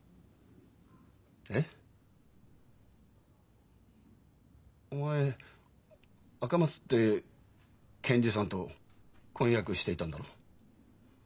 えっ？お前赤松って検事さんと婚約していたんだろ？